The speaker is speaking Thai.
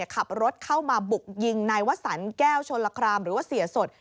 ขับรถเข้ามาบุกยิงนายวสันแก้วชนละครามหรือว่าเสียสด